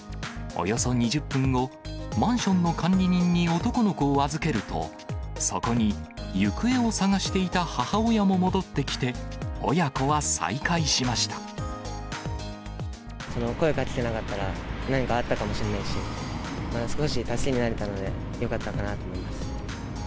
およそ２０分後、マンションの管理人に男の子を預けると、そこに行方を捜していた母親も戻ってきて、声をかけてなかったら、何かあったかもしれないし、少し助けになれたので、よかったかなと思います。